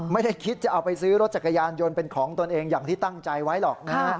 ไม่ได้คิดจะเอาไปซื้อรถจักรยานยนต์เป็นของตนเองอย่างที่ตั้งใจไว้หรอกนะฮะ